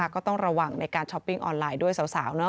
ก็ต้องระวังในการช้อปปิ้งออนไลน์ด้วยสาว